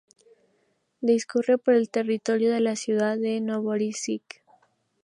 Discurre por el territorio de la ciudad de Novorosíisk.